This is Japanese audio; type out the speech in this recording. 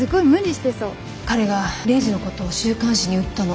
彼がレイジのことを週刊誌に売ったの。